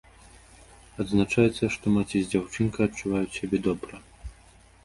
Адзначаецца, што маці з дзяўчынкай адчуваюць сябе добра.